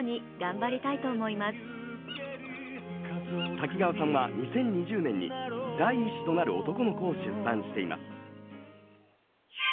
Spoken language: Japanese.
滝川さんは２０２０年に第一子となる男の子を出産しています。